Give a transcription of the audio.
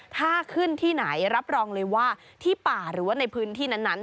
ถ้าขึ้นที่ไหนรับรองเลยว่าที่ป่าหรือว่าในพื้นที่นั้น